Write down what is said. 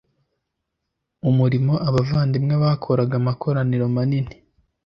umurimo abavandimwe bakoraga amakoraniro manini